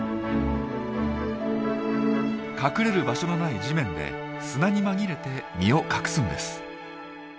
隠れる場所がない地面で砂に紛れて身を隠すんです。